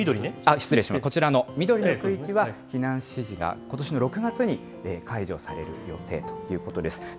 失礼しました、こちらの緑の区域は、避難指示がことしの６月に解除される予定ということです。